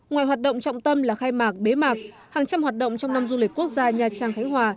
ngoài hoạt động trọng tâm là khai mạc bế mạc hàng trăm hoạt động trong năm du lịch quốc gia nha trang khánh hòa